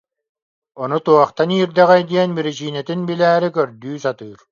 Ону туохтан иирдэҕэй диэн биричиинэтин билээри көрдүү сатыыр